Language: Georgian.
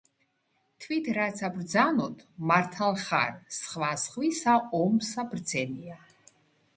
თვით რაცა ბრძანოთ, მართალ ხარ, სხვა სხვისა ომსა ბრძენია